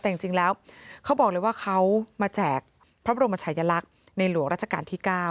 แต่จริงแล้วเขาบอกเลยว่าเขามาแจกพระบรมชายลักษณ์ในหลวงราชการที่๙